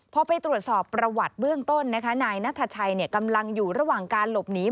พอไปตรวจสอบประวัติเบื้องต้นนะคะนายนัทชัยกำลังอยู่ระหว่างการหลบหนี